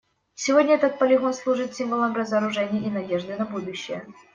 Сегодня этот полигон служит символом разоружения и надежды на будущее.